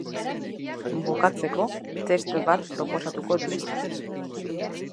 Bukatzeko, test bat proposatuko dizut.